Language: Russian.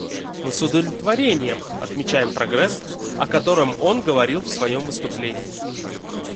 Мы с удовлетворением отмечаем прогресс, о котором он говорил в своем выступлении.